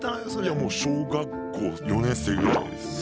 いやもう小学校４年生ぐらいですね。